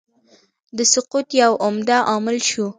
د سقوط یو عمده عامل شو.